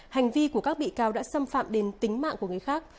hành vi của các bị cáo đã xâm phạm đến tính mạng của người khác